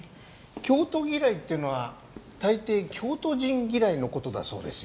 京都嫌いっていうのはたいてい京都人嫌いの事だそうですよ。